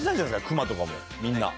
クマとかも、みんな。